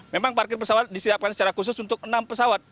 memang parkir pesawat disiapkan secara khusus untuk enam pesawat